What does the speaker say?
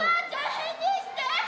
返事して。